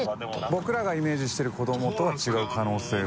僕らがイメージしてるこどもとは違う可能性は。